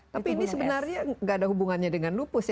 tapi ini sebenarnya nggak ada hubungannya dengan lupus ya